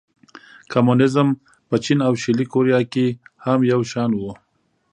کمونېزم په چین او شلي کوریا کې هم یو شان و.